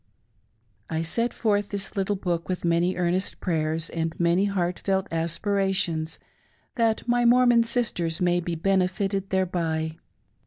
I send forth this little book with many earnest prayers and many heartfelt aspirations that my Mormon sisters maj^be benefitted thereby.